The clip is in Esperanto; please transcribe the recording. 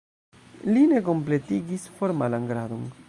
Li ne kompletigis formalan gradon.